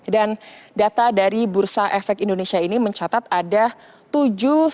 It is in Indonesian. dan data dari bursa efek indonesia ini mencatat ada tujuh empat miliar rupiah yang dihubungi dengan perusahaan yang tersebut